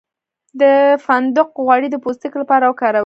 د فندق غوړي د پوستکي لپاره وکاروئ